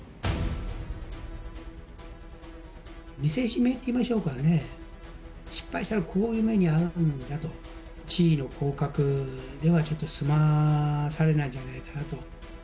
見せしめといいましょうかね、失敗したらこういう目に遭うんだと、地位の降格ではちょっと済まされないんじゃないかなと。